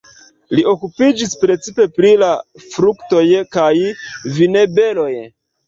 Li okupiĝis precipe pri la fruktoj kaj vinberoj.